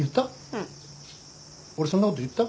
うん俺そんなこと言った？